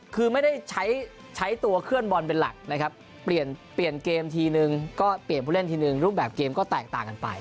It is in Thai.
คือไม่ได้ใช้ตัวเคลื่อนบอลเป็นหลักนะครับเปลี่ยนเปลี่ยนเกมทีนึงก็เปลี่ยนผู้เล่นทีนึงรูปแบบเกมก็แตกต่างกันไป